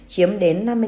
chiếm địa chỉ